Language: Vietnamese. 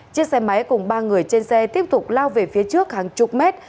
chiếc xe máy cùng ba người trên xe tiếp tục lao về phía trước hàng chục mét